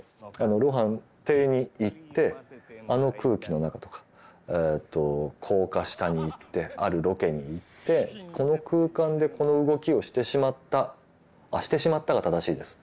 露伴邸に行ってあの空気の中とか高架下に行ってあるロケに行ってこの空間でこの動きをしてしまったあしてしまったが正しいです。